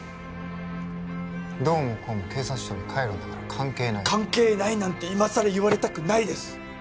どうもこうも警察庁に帰るんだから関係ない関係ないなんて今さら言われたくないです